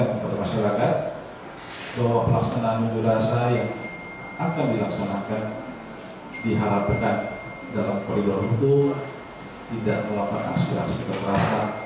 tidak melakukan aksi aksi berperasaan dalam apapun